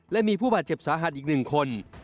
และมีผู้บาดเจ็บสาหัสอีก๑คน